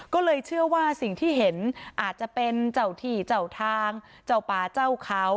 ก็เลยเชื่อว่าสิ่งที่เห็นอาจจะเป็นเจ้าที่เจ้าทางเจ้าป่าเจ้าเขา